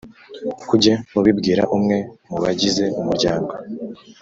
Ujye ubibwira umwe mu bagize umuryango